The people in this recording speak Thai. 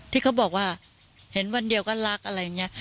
ที่เขาบอกว่าเห็นวันเดียวก็รักอะไรอย่างนี้